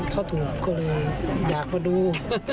เขาถูกก็เลยอยากมาดู